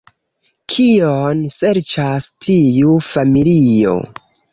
Kion serĉas tiu familio?